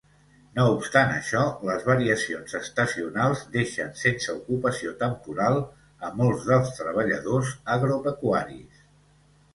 No obstant això, les variacions estacionals deixen sense ocupació temporal a molts dels treballadors agropecuaris.